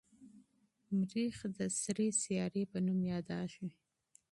مریخ د سرې سیارې په نوم یادیږي.